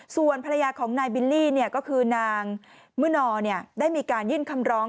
ส่วนภรรยาของนายบิลลี่ก็คือนางมื้อนอได้มีการยื่นคำร้อง